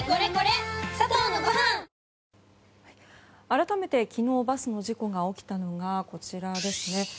改めて昨日バスの事故が起きたのがこちらですね。